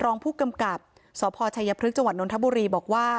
รองผู้กำกับสพชายพฤษฐ์จนทบุรีบอกว่า